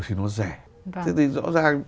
thì nó rẻ thế thì rõ ràng